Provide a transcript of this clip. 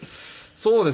そうですね。